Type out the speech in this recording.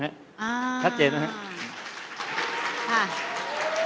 หลากกระจุบตัวอยู่ในธุรกิจไหนคะ